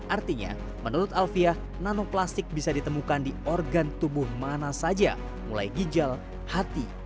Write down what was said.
artinya menurut alvia nanoplastik bisa ditemukan di organ tubuh mana saja mulai gijal hati sampai otak